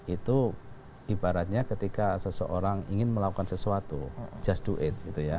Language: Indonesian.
itu ibaratnya ketika seseorang ingin melakukan sesuatu just do it